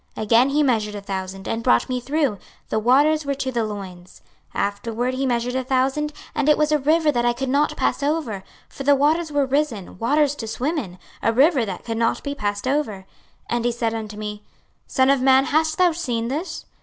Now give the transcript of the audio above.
Again he measured a thousand, and brought me through; the waters were to the loins. 26:047:005 Afterward he measured a thousand; and it was a river that I could not pass over: for the waters were risen, waters to swim in, a river that could not be passed over. 26:047:006 And he said unto me, Son of man, hast thou seen this?